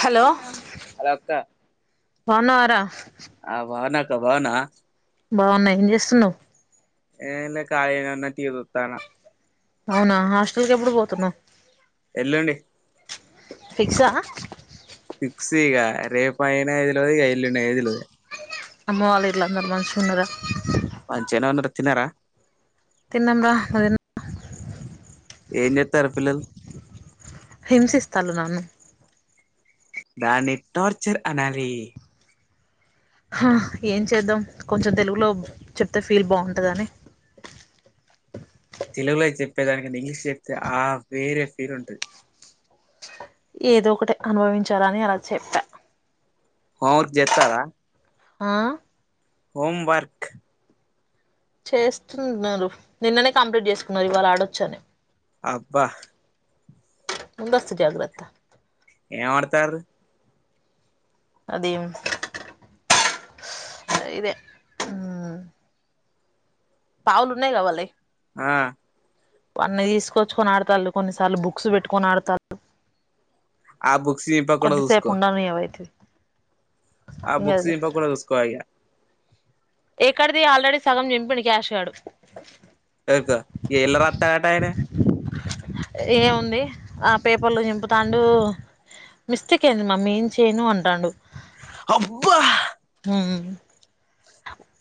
Hello hello అక్క బావున్నవార ఆ బాగున్న అక్క బాగున్నావా బాగున్నా ఏం చేస్తున్నావు ఏమ్ లే కాలినే ఉన్న టీవీ చూస్తన్న అవునా హాస్టల్ కి ఎప్పుడు పోతున్నావు ఎల్లుండి ఫిక్సా ఫిక్స్ ఇగ రేపు అయిన తెలువదు ఇగ ఎల్లుండి తెలువదు అమ్మ వాళ్ళింట్ల అందరూ మంచిగా ఉన్నారండి మంచిగనే ఉన్నరు తిన్నారా తిన్నాను రా నువ్వు తిన్ ఎంచెత్తర్లు పిల్లలు హింసిస్తల్లు నన్ను దాన్ని టార్చర్ అనాలి హా ఏం చేద్దాం కొంచెం తెలుగులో చెప్తే ఫీల్ బాగుంటుందని తెలుగులో చెప్పే దానికన్నా ఇంగ్లీష్ చెప్తే ఆ వేరే ఫీర్ ఉంటది ఏదో ఒకటి అనుభవించాలని అలా చెప్పా హోమ్ వర్క్ చెత్తాలా ఆ హోమ్ వర్క్ చేస్తు ఉన్నారు నిన్ననే కంప్లీట్ చేసుకున్నారు ఇవాళ ఆడొచ్చని అబ్బా ఉండొచ్చు జగ్రత్త ఏం అదుతర్రూ అదేం దైదే పావులు ఉన్నాయి గా వాళ్ళాయి ఆ వాన్ని తీసుకొచ్చుకొని ఆడుతాళ్ళు కొన్నిసార్లు బుక్స్ పెట్టుకొని ఆడతాళ్లు ఆ బుక్స్ చింపకుండా కొద్దిసేపు చూసుకో ఉండాలి ఏమైతది ఆ బుక్స్ చింపకూడా చూసుకో ఇగ ఎక్కడిది ఆల్రెడీ సగం చింపిండు క్యాష్ గాడు వొకో ఎల్ల రత్తాడట ఆయనే ఏముంది ఆ పేపర్లు చింపుతాండు మిస్టేక్ అయ్యింది మమ్మీ ఏం చేయను అంటాండు అబ్బా హు హు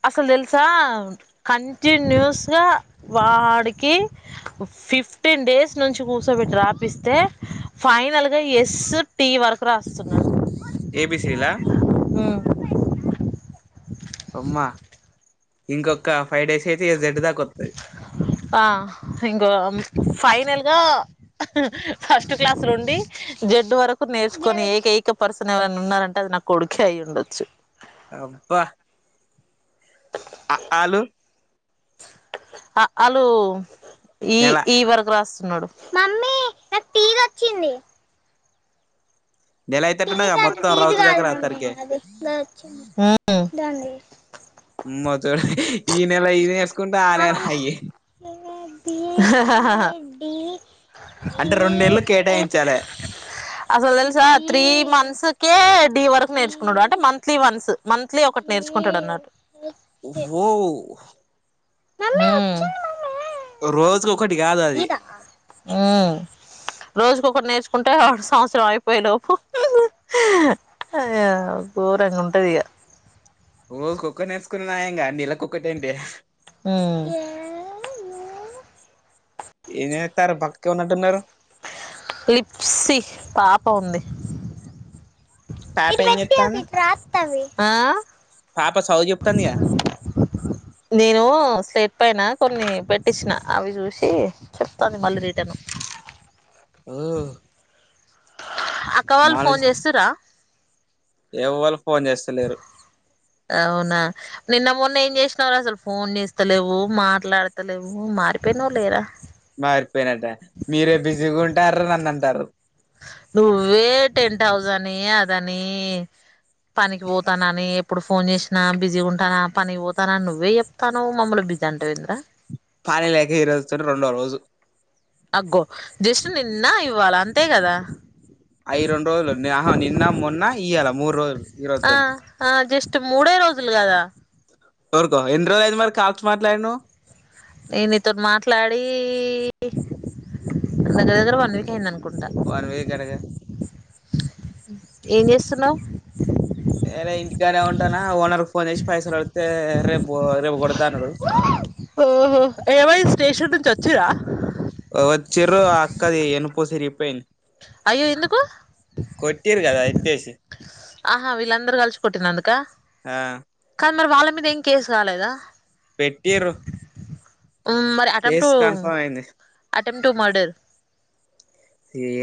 అసలు తెలుసా కంటిన్యూస్ గా వాడికి ఉఫ్ ఫిఫ్టీన్ డేస్ నుంచి కూసోబెట్టి రాపిస్తే ఫైనల్గా ఎస్ టీ వరకు రాస్తున్నారు ఏ బి సి డి లా మ్మ్ అమ్మా ఇంకొక ఫైవ్ డేస్ అయితే జెడ్ దాకా వత్తది ఆ ఇంగో ఫైనల్గా ఫస్ట్ క్లాస్ నుండి జడ్డు వరకు నేర్చుకొని ఏకైక పర్సన్ ఎవరన్న ఉన్నారంటే అది నా కొడుకే అయ్యి ఉండొచ్చు అబ్బా అ ఆ లూ అ ఆ లూ ఇ నెల ఈ వరకు రాస్తున్నాడు మమ్మీ నాకు టీ వి వచ్చింది నెలాయితట్టున్న టిస్ కావా టిస్ కావాలి మమ్మీ అది వచ్చింది దానిది అమ్మతోడు ఇ నెల ఇది నేర్సుకుంట ఆ నేల అయ్యి ఆహా ఆహా అంటే రెండు నెలలు కేటాయించాలే అసలు తెలుసా త్రీ మంత్స్కే డి వరకు నేర్చుకున్నాడు అంటే మంత్లీ వంత్స్ మంత్లీ ఒకటి నేర్చుకుంటాడు అన్నట్టు ఓ ఆమ్ రోజుకి ఒకటి కాదు అది రోజు ఒకటి నేర్చుకుంటే ఆడు సంవత్సరం అయిపోయే లోపు అ ఇగ గోరంగా ఉంటాది ఇగ రోజు ఒకటి నేర్చకున్నాయంగా నెలకు ఒకటి ఏంటె హమ్ ఏం చేస్తారు పక్కనే ఉన్నట్టున్నారు లిప్సీ పాప ఉంది పాప ఇది ఏం పెట్టీ చేత్తాంది ఇగ రాస్తుంది ఆ పాప చదువు చెప్తుందా నేను స్లేట్ పైన కొన్ని పెట్టించిన అవి చూసి చెప్తాంది మళ్ళీ రిటర్న్ ఓ అక్క వాళ్ళు ఫోన్ చేస్తరా ఎవరు ఫోన్ చేస్తలేరు అవునా నిన్న మొన్న ఏం చేసినవారు అసలు ఫోన్ చేస్తలేవు మాట్లాడతలేవు మారిపోయినావు లేరా మారిపోయినట మీరే బిజీగా ఉంటారు నన్ను అంటారు నువ్వే టెన్ హౌసని అదని పనికి పోతానని ఎప్పుడు ఫోన్ చేసి నా బిజీ ఉంటాను పని పోతానని నువ్వే చెప్తునావ్ మమల్ని బిజీ అంటావు ఏంది రా పానీ లేక ఈరోజుతో రెండో రోజు అగ్గో జస్ట్ నిన్న ఇవ్వాల అంతే కదా అయి రెండు రోజులు ఆహా నిన్న మొన్న ఇయ్యాల మూడు రోజులు ఈ ఆ రోజు ఆ జస్ట్ [unintelligible] మూడే రోజులు కదా కోరుకో ఎన్ని రోజులు అయింది మరి కాల్స్ మాట్లాదినావ్ నేను నీతో మాట్లాడి దగ్గ దగ్గర వన్ వీక్ అయింది అనుకుంటా వన్ వీక్ ఏడ ఏం చేస్తున్నావు నేను ఇంటికానే ఉంటానా ఓనర్ కు ఫోన్ చేసి పైసలు పెడితే రేపు రేపు కొడతాను ఓహో ఏమైంది స్టేషన్ నుంచి వచ్చిరా వచ్చిరు అక్కది ఎన్నుపోస విరిగిపోయింది అయ్యో ఎందుకు కొట్టిరూ కదా ఎత్తేసి ఆహా వీళ్ళందరూ కలసి కొట్టిన అందుకా ఆ కానీ మరి వాళ్ళ మీద ఏం కేసు కాలేదా పెట్టిరు ఉమ్ మరి అటెంప్ట్ కన్ఫర్మ్ అయింది అటెంప్టు మర్డర్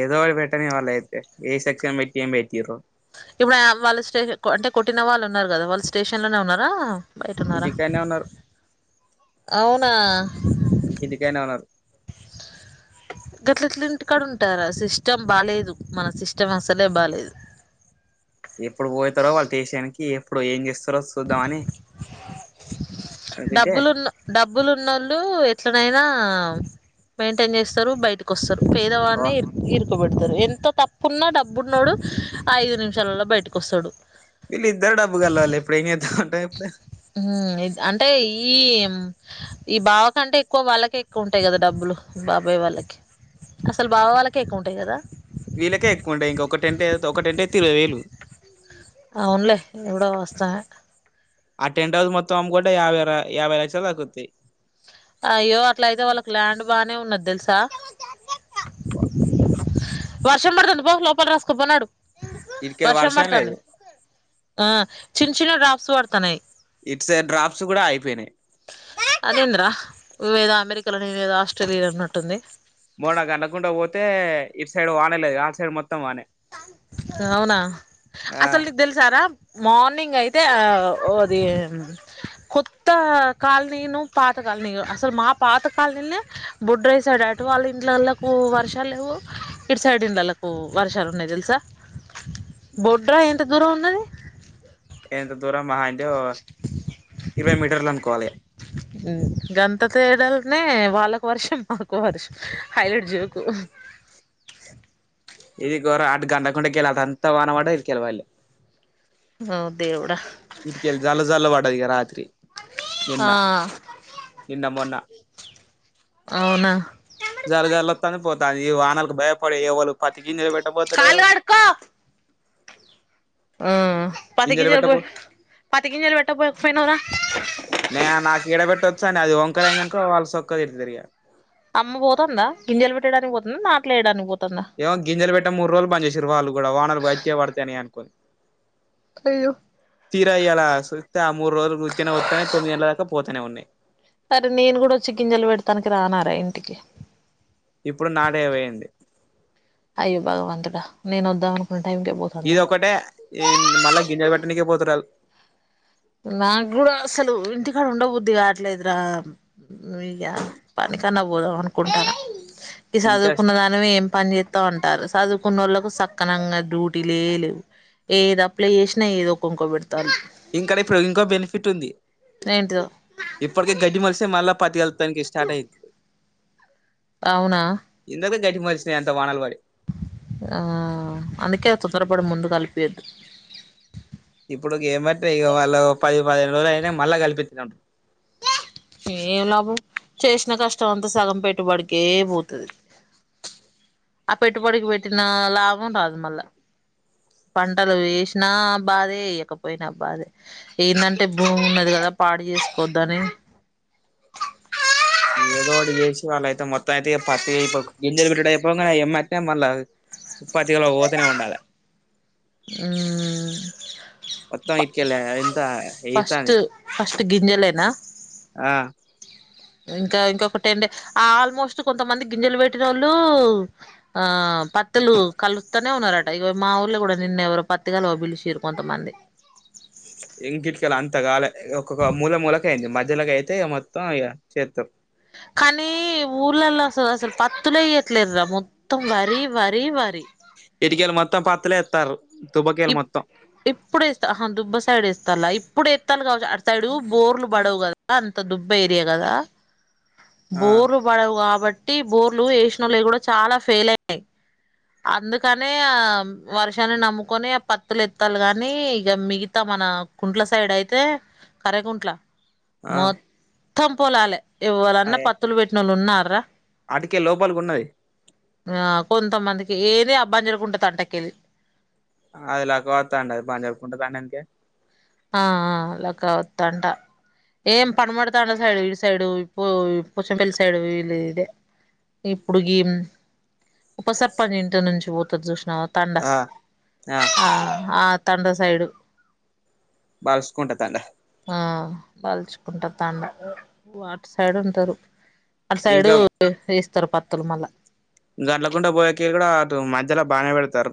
ఏదో పెట్టనివర్ల అయితే ఏ సెక్షన్ పెట్టి ఏం పెట్టిరూ ఇప్పుడు వాళ్ళ స్టేషన్ అంటే కొట్టిన వాళ్ళు ఉన్నారు కదా వాళ్ళ స్టేషన్ లోనే ఉన్నారా బయటున్నారా ఇంటికానే ఉన్నారు అవునా ఇంకెందుకైనా ఉన్నారు గట్లట్ల ఇంటికాడుంటారా సిస్టమ్ బాలేదు మన సిస్టం అసలే బాలేదు. ఎప్పుడు పోయతారో వాళ్ళ దేశానికి ఎప్పుడు ఏం చేస్తారో స్ సూద్ధమని అది తింటే డబ్బులున్నోళ్ళు ఎట్లనైనా మెయింటైన్ చేస్తారు బయటకొస్తారు. పేర్ ఓ దవన్నీర్ ఇరుకోబెడతరు ఎంత తప్పున్నా డబ్బున్నోడు ఐదు నిమిషాలలో బయటకోస్తాడు. వీల్లిద్దరు డబ్బు కల్లోళ్ళే ఇప్పుడేం చేస్తా [unintelligible] ఉమ్ అంటే ఈ ఈ బావ కంటే ఎక్కువ వాళ్ళకే ఎక్కువుంటాయి కదా డబ్బులు బాబాయ్ వాళ్ళకి. అసలు బావ వాళ్ళకే ఎక్కువుంటాయి కదా వీళ్ళకే ఎక్కువుంటాయి ఒక టెన్టయితే ఇరవై వేలు అవునులే ఎవడో వస్తా ఆ టెంట్ హౌస్ మొత్తం అమ్ముకుంటే యాభై ర యాభై లక్షలు థాకుద్దీ అయ్యో అట్లయితే వాళ్ళకి ల్యాండ్ బానే ఉన్నది తెలుసా వర్షం పడతుంది పో లోపల రాసుకోపో నడు ఇటుకెళ్ళి వర్షం పడతాంది లేదు ఆ చిన్న చిన్న డ్రాప్స్ పడతన్నాయ్ ఇటు సైడ్ డ్రాప్స్ కూడా అయిపోయినయ్ అదేంద్రా నువ్వేదో అమెరికాలో నేనేదో ఆస్ట్రేలియాలో ఉన్నట్టుంది. మోనాకనకుండా పోతే ఇటు సైడ్ వానే లేదు అటు సైడ్ మొత్తం వానే. కావునా ఆ అసలు తెలుసారా మార్నింగ్ అయితే ఆ ఓది కొత్త కాలనీను పాత కాలని అసలు మా పాత కాలనీనే బొడ్రై సైడ్ అటు వాళ్ళ ఇంట్లోళ్లకు వర్షాలు లేవు ఇటు సైడ్ ఇల్లలకు పోవు వర్షాలు న్నాయి తెలుసా బొడ్రా ఎంత దూరం ఉన్నది ఎంత దూరమా అంటే ఇరవై మీటర్లనుకోవాలి గంత తేడాలనే వాళ్ళకు వర్షం మాకు వర్షం హైలైట్ జో ఇది గోరా అటు గంటకుండా కెల్ అటన్త వాన పడ్డది ఇటు కెళ్ళి పడలే ఓ దేవుడా ఇటికెళ్ళి జల్ల జల్ల పడ్డదిగా రాత్రి నిన్న ఆ నిన్న మొన్న అవునా జర జరల తని పోతాంది ఈ వానలకి భయపడి ఎవళ్ళు పతికిన్నలు కాలు పెట్టపోతలేరు. కడుక్కో ఉమ్ గింజలు పతికిింజాలు పెట్టబో పోయి పతికిింజాలు పెట్ట పోయపోయినారా నే నాకెడ పెట్టొచ్చా అని అది వంకరైనందనుకో వాళ్ళ సొక్క తిటి తిరిగా. అమ్మ పోతుందా గింజలు పెట్టడానికి పోతుందా నాట్లేయడానికి పోతందా ఏమో గింజలు పెట్ట మూడు రోజులు బంద్ చేేసిరు వాళ్ళ కూడా వానలు గట్టిగా పడతన్నియనుకోని. కలుక్ తీర ఇయ్యాల జూస్తే ఆ మూ రోజులు కూర్చొ వతానే తొమ్మిది గంటల దాకా పోతనే ఉన్నాయి. సరే నేను కూడా వచ్చి గింజలు పెడతానికి రానా రా ఇంటికి ఇప్పుడు నాడే పోయింది అయ్యో భగవంతుడ నేనోద్దాం అనుకున్న టైంకే పో ఇదోకటే మళ్ళా గింజలు పెట్టనికి పోతర నాకు కూడా అసలు ఇంటికాడ ఉండ బుద్ధి కాట్లదురా ఇగ పనికన్నా పోదాం అనుకుంటన్నా, ఈ ఇంకా సదువుకున్నదాని నువ్వు ఏం పని చేత్తవు అంటార్రు, సదువుకున్నోళ్ళకు సక్కనంగా డ్యూటీలే లేవు. ఏది అప్లై చేశినా ఏదో ఒక వొంక బెడతాల్లు. ఇంకడ ఇప్పుడు ఇంకో బెనిఫిట్ ఉంది. ఏంటిదో? ఇప్పడికి గడ్డి మొలిస్తే మళ్ళా పత్తి కలుత్తానికి స్టార్ట్ అయిద్ది. అవునా. ఇందాక్లే గడ్డి మొలిచినయి అంట వానలు పడి. ఆ అందుకే తొత్తరపడి ముందు కలుపు తీయొద్దు. ఇప్పుడు ఏమంటే ఇగ మళ్ళా పది పదిహేను రోజులు అయినయి మళ్ళీ కలిపించినం. ఏం లాభం చేశిన కష్టం అంతా సగం పెట్టుబడికే పోతది. ఆ పెట్టుబడికి పెట్టిన లాభం రాదు మళ్ళా. పంటలు వేశినా బాధే, ఏయకపోయినా బాధే. ఏందంటే భూమి ఉన్నది కదా పాడు చేసుకోవద్దనే ఏదోటి చేశి వాళ్ళయితే మొత్తం అయితే ఇగ పత్తి ఇప్ గింజలు పెట్టుడు అయిపొంగనే ఏమ్మట్నే మళ్ళా పత్తి కలువ పోతనే ఉండాల. హ్. హ్ మొత్తం ఇట్కెల్లే అయిన్ ఫస్ట్ ఫస్ట్ గింజలేనా. ఆ ఇంకా ఇంకొకటి ఏంటి ఆల్మోస్ట్ కొంతమంది గింజలు పెట్టినోళ్ళు ఆ పత్తులు కలుత్తనే ఉన్నరటా, ఇగో మా ఊర్ల కూడా నిన్న ఎవరో పత్తి కలువ పిలిశిర్రు కొంతమంది. ఇంక ఇట్కేల్లి అంతగాలే ఒక్కొక్క మూల మూల కేఅయింది మధ్యలోకి అయితే ఇగ మొత్తం ఇగ చేత్తర్రు. కానీ ఊర్లలల్లా అసలు అసలు పత్తులేయట్లేరురా మొత్తం వరి, వరి, వరి. ఇటికెల్లి మొత్తం పత్తులే ఎత్తాంర్రు. ఇప్ ఇప్పుడేస్తా అహా దుబ్బ సైడ్ ఎస్తాంల్లా ఇప్పుడేత్తాంల్లు కావచ్చు అటు సైడు బోర్లు బడవు కదా, అంత దుబ్బ ఏరియా కదా, ఆ బోర్ పడవు కాబట్టి బోర్లు ఏషినోల్లయి కూడా చానా ఫెయిల్ అయ్యినయి. అందుకనే ఆ వర్షాన్నే నమ్ము కొనే పత్తులు ఎత్తాల్లు గాని ఇగ మిగతా మన కుంట్ల సైడ్ అయితే అరే గుంట్లా. ఆ మొత్తం పొలాలే ఎవ్వలన్నా పత్తులు పెట్టినోళ్ళు ఉన్నార్రా. అటికెల్లి లోపలికి ఉన్నది. ఆ కొంతమందికి ఏదే అబ్బనికుంజ తట్టకెళ్ళి. ఆ అది ఎలాగో అత్తాండు అది పంజనకుంట కాన్నే ఎందుకే. ఆ ఆ లక్క వత్తంటా. ఏం పనమడతాండ సైడు ఇటు సైడు ఇప్పు పుచ్చం పెళ్ళి సైడు ఇల్ ఇదే ఇప్పుడు ఈన్ ఉప సర్పంచ్ ఇంటి నుంచి పోతరు చూశినవా తాండ ఆ ఆ ఆ తాండ సైడు. బాల్సుకుంట తాండా. ఆ తల్చుకుంట తాండ ఓ అటు సైడు ఉంటరు, అటు సైడు ఇంకా తీస్తరు పత్తులు మళ్ళా. గండ్లకుంట పోయేకెళ్ళి కూడా అటు మధ్యల బానే పెడతరు.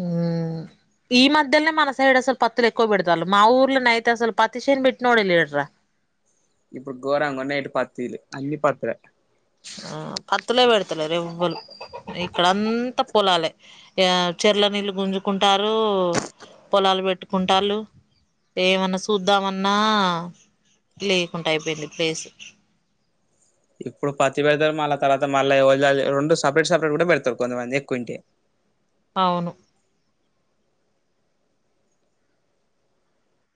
ఊ ఈ మధ్యనే మన సైడ్ అసల్ పతులు ఎక్కువ బడతలు మా ఊర్ల నైతస్సల్ పత్తిషన్ బట్నోడే లెడ్ర ఇప్పుడు గోరంగ ఉన్నా ఇటు పతిలు అన్ని పతిలే ఆ పతులే పెడుతలేరు ఎవల్ ఇక్కడంతా పొలాలే ఇగ చెర్ల నీళ్ళు గుంజుకుంటారు పొలాలు పెట్టుకుంటాళ్ళు ఏమన్నా సూద్దామన్నా లేకుండా అయిపోయింది ప్లేస్ ఇప్పుడు పత్తి పెడతారు మళ్ళా తర్వాత మల్ల ఎవల్ దాలు రెండు సపరేట్ సపరేట్ కూడా పెడతారు కొంతమంది ఎకువుంటె అవును